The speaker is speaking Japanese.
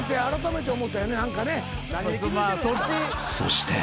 ［そして］